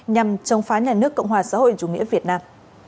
nhằm chống phá nhà nước cộng hòa xã hội chủ nghĩa việt nam